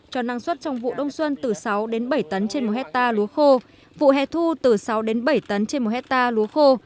cho năng suất trong vụ đông xuân từ sáu đến bảy tấn trên một hectare lúa khô vụ hè thu từ sáu đến bảy tấn trên một hectare lúa khô